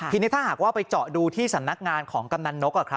ทีนี้ถ้าหากว่าไปเจาะดูที่สำนักงานของกำนันนก